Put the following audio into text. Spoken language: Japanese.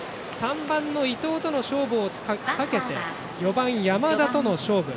３番の伊藤との勝負を避けて４番、山田との勝負。